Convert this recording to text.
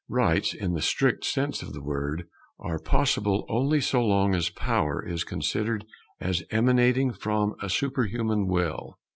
Rights, in the strict sense of the word, are possible only so long as power is considered as emanating from a superhuman will.